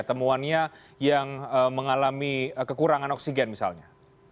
temuannya yang mengalami kekurangan oksigen misalnya